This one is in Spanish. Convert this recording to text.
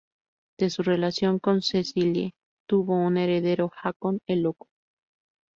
De su relación con Cecile, tuvo un heredero, Haakon el Loco.